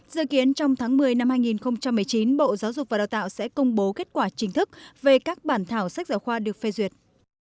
dự kiến trong tháng một mươi năm hai nghìn một mươi chín bộ giáo dục và đào tạo sẽ công bố kết quả chính thức về các bản thảo sách giáo khoa được phê duyệt